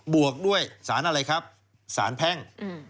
วกด้วยสารอะไรครับสารแพ่ง